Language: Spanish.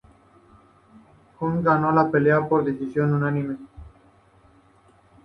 Hughes ganó la pelea por decisión unánime.